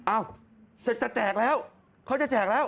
อ้าวจะแจกแล้วเขาจะแจกแล้ว